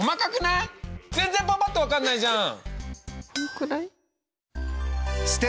全然パパっと分かんないじゃん！